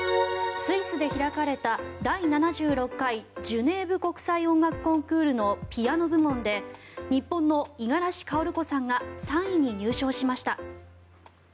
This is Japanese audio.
スイスで開かれた第７６回ジュネーブ国際音楽コンクールのピアノ部門で日本の五十嵐薫子さんが３位に入賞しました。